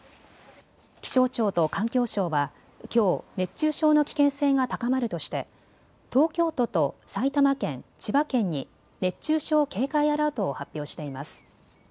気象庁と環境省はきょう熱中症の危険性が高まるとして東京都と埼玉県、千葉県に熱中症警戒アラートを発表しています。